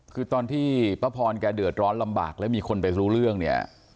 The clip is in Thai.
คือตอนที่ป้าพรแกเดือดร้อนลำบากแล้วมีคนไปรู้เรื่องเนี่ย